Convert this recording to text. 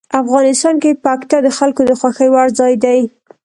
افغانستان کې پکتیا د خلکو د خوښې وړ ځای دی.